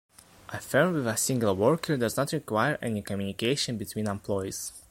A firm with a single worker does not require any communication between employees.